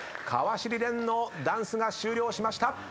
川尻蓮のダンスが終了しました。